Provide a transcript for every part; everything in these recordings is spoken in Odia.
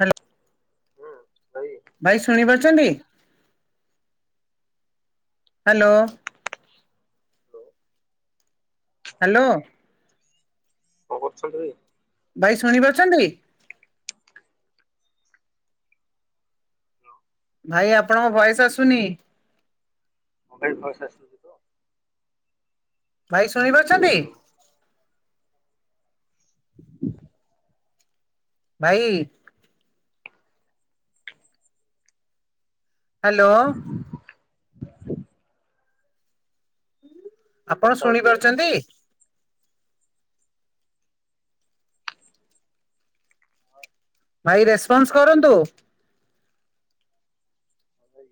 ହ୍ୟାଲୋ ହୁଁ ଭାଇ ଭାଇ ହ୍ୟାଲୋ ଶୁଣିପାରୁଛନ୍ତି? ହ୍ୟାଲୋ। Hello hello. କଣ କରୁଛନ୍ତି ଭାଇ? ଭାଇ ଶୁଣିପାରୁଛନ୍ତି? ଭାଇ ଆପଣଙ୍କ ଭୟସ ଆସୁନି। ମୋବାଇଲ ଭଏସ ଆସୁଛି ତ? ଭାଇ ଶୁଣିପାରୁଛନ୍ତି? ଭାଇ। ହ୍ୟାଲୋ। ଆପଣ ବର୍ଷା ଶୁଣି ହଉଛି ଭାଇ ତମ ପାରୁଛନ୍ତି? ଆଡେ? ହଁ। ଭାଇ ରେସପନ୍ସ କରନ୍ତୁ। ଭାଇ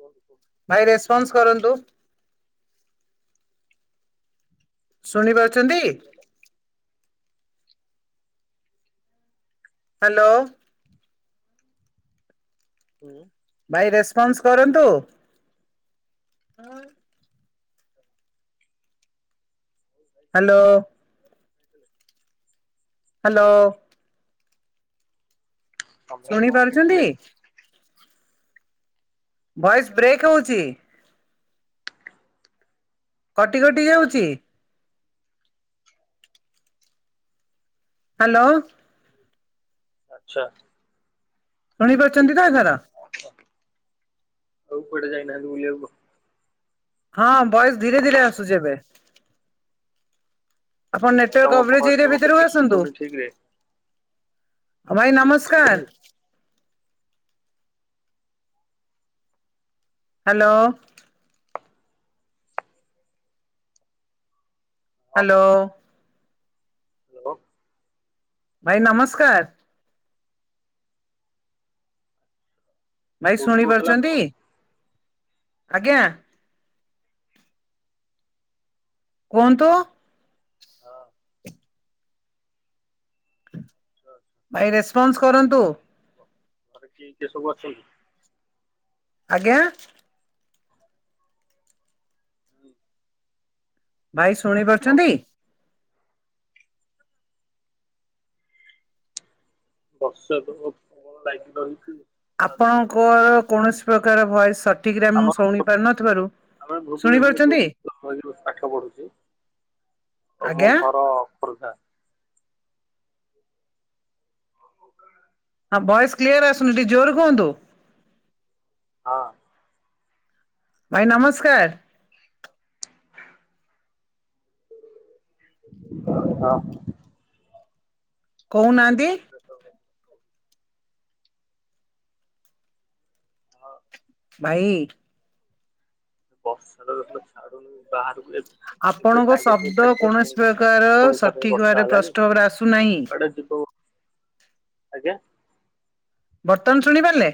କୁହନ୍ତୁ କୁହନ୍ତୁ। ଭାଇ ରେସପନ୍ସ କରନ୍ତୁ। ଶୁଣି ପାରୁଛନ୍ତି। ହାଲୋ। ହୁଁ। ଭାଇ ରେସପନ୍ସ କରନ୍ତୁ। ଆଁ। ହାଲୋ। [inaudible] ହାଲୋ। ସନ୍ଧ୍ୟାବେଳେ ଶୁଣି କଣ ପାରୁଛନ୍ତି? ଖାଇଥିଲେ? ଭଏସ୍ ବ୍ରେକ୍ ହଉଛି। କଟି କଟି ଯାଉଛି। ହାଲୋ। ଆଚ୍ଛା। ଶୁଣି ପାରୁଛନ୍ତି ତ ଏଥର। ଆଉ କୁଆଡ଼େ ଯାଇ ନାହାନ୍ତି ବୁଲିବାକୁ? ହଁ, ଭଏସ୍ ଧୀରେ ଧୀରେ ଆସୁଛି ଏବେ। ଆପଣ ଭାଇ, ନେଟୱାର୍କ ତମ କଭରେଜ ଭଏସ ଟା ଏରିଆ ମତେ ଭିତରକୁ ଟିକେ ଆସନ୍ତୁ। ଶୁଭୁନି ଠିକ ରେ ଆଉ ଭାଇ କୋଉଠି ଅଛନ୍ତି ନମସ୍କାର। ଭାଇ? ହାଲୋ। ହାଲୋ। ହାଲୋ। ଭାଇ ନମସ୍କାର। ଭାଇ କୋଉଠୁ ଶୁଣି କହୁଥିଲେ ଆପଣ? ପାରୁଛନ୍ତି ହଁ ଆଜ୍ଞା। କୁହନ୍ତୁ। ହଁ। ଆଚ୍ଛା। ଭାଇ ରେସପନ୍ସ କରନ୍ତୁ। ଘରେ କିଏ କିଏ ସବୁ ଅଛନ୍ତି। ଆଜ୍ଞା। ହୁଁ, ଭାଇ ଶୁଣି ହଁ ପାରୁଛନ୍ତି। ବର୍ଷା ତ ପ୍ରବଳ ଲାଗି ରହିଛି। ଛାଡୁନି କିଛି ନାହିଁ। ଆପଣଙ୍କର କୌଣସି ପ୍ରକାର ଭଏସ୍ ସ ଠିକ୍ ରେ ମୁଁ ଆମର ଶୁଣି ପାରୁ ନଥିବାରୁ ଶୁଣି ପାରୁଛନ୍ତି। ମୁ ଏଇଠି ବସି ପାଠ ପଢୁଛି, ଆଉ ମୋ ଆଜ୍ଞା ଘର ଖୋର୍ଦ୍ଧା। ହଁ, ଭଏସ କ୍ଲିୟର ଆସୁନି ଟିକେ ଜୋରେ କୁହନ୍ତୁ। ହଁ‌। ଭାଇ ନମସ୍କାର। [unintelligible] ମୁଁ କହୁନାହାନ୍ତି। ଭୁବନେଶ୍ୱର ରେ। ଆହ। ଭାଇ। ବର୍ଷା ଟା ଦେଖୁନ ଛାଡ଼ୁନି ବାହାରକୁ ଯାଇ ଏବେ ଆପଣଙ୍କ ସାଙ୍ଗେ ସାଙ୍ଗେ ଶବ୍ଦ ଛାଡିଥିଲା କୌଣସି ପୁଣି ପ୍ରକାର ପୁଣିଥରେ ସଠିକ ଭାବରେ ବର୍ଷା ହେଲାଣି ପ୍ରଷ୍ଟ ଭାବରେ ଆସୁନାହିଁ କୁଆଡେ ଯିବ ଆଜ୍ଞା। ବର୍ତ୍ତମାନ ଶୁଣିପାରିଲେ।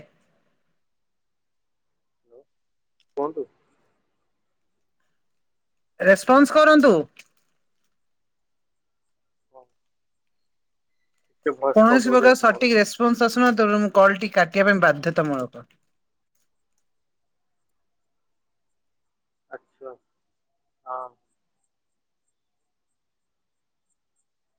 ହାଲୋ କୁହନ୍ତୁ। ରେସ୍ପନ୍ସ କରନ୍ତୁ। [inaudible] ଟିକେ ଭଏସ କଟ କୌଣସି ହଉଛି ପ୍ରକାର ଆପଣଙ୍କର ସଠିକ୍ ରେସପନ୍ସ ଆସୁନି, ତେଣୁ ମୁଁ କଲ୍ ଟି କାଟିବା ପାଇଁ ବାଧ୍ୟତାମୂଳକ। ଆଛା, ହଁ